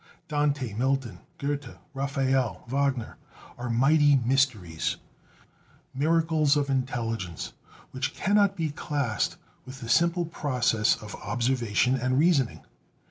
Dante, Milton, Goethe, Raphael, Wagner, are mighty mysteries, miracles of intelligence, which cannot be classed with the simple processes of observation and reasoning.